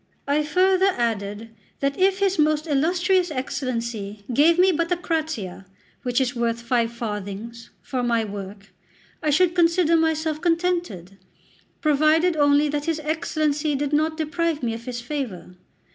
I farther added that if his most illustrious Excellency gave me but a 'crazia,' which is worth five farthings, for my work, I should consider myself contented, provided only that his Excellency did not deprive me of his favour.